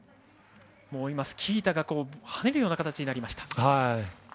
今、スキー板が跳ねるような形になりました。